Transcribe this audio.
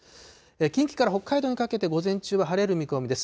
近畿から北海道にかけて午前中は晴れる見込みです。